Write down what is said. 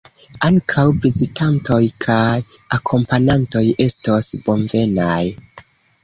Ankaŭ vizitantoj kaj akompanantoj estos bonvenaj.